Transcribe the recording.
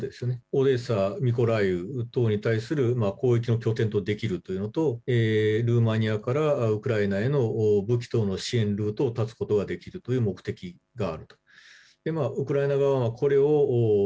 オデーサ、ミコライウ等に対する攻撃拠点とできるのとルーマニアからウクライナへの武器等の支援ごと断つことができるという目的が。